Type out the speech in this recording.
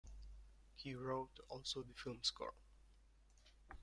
He wrote also the film score.